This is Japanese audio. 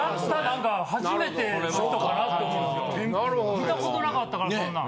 見たこと無かったからそんなん。